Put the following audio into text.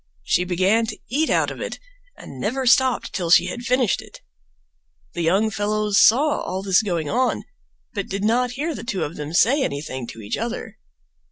She began to eat out of it and never stopped till she had finished it. The young fellows saw all this going on, but did not hear the two of them say anything to each other.